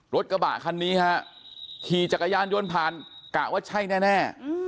รถกระบะคันนี้ฮะขี่จักรยานยนต์ผ่านกะว่าใช่แน่